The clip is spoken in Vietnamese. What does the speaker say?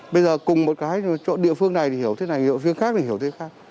bây giờ cùng một cái chỗ địa phương này thì hiểu thế này ở phía khác thì hiểu thế khác